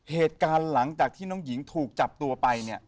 เหตุการณ์หลังจากที่น้องหญิงถูกจับตัวไปเนี่ย